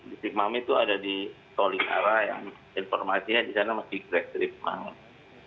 distrik mamit itu ada di tolikara yang informasinya di sana masih krek dari mamit